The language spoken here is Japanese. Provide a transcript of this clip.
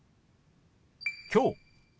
「きょう」。